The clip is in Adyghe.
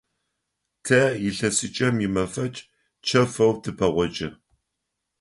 Тэ илъэсыкӏэм имэфэкӏ чэфэу тыпэгъокӏы.